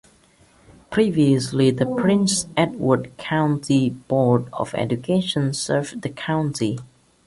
Previously the Prince Edward County Board of Education served the county.